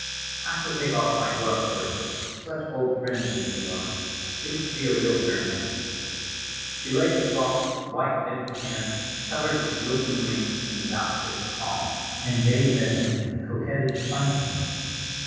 "I shall take off my glove first—such old friends as we are! It must be a real ceremony." She laid a soft, white, dimpled hand, covered with glistening rings, in his outstretched palm, and gazed at him with coquettish plaintiveness.